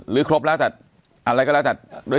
หรือครบแล้วแต่อะไรก็แล้วแต่